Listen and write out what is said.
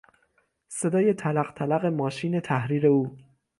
صدای تلق تلق ماشین تحریر او